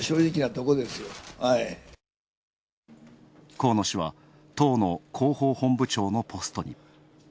河野氏は党の広報本部長のポストに。